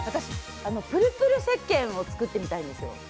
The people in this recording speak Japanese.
プルプルせっけんを作ってみたいんです。